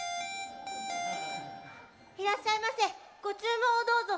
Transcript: いらっしゃいませご注文をどうぞ。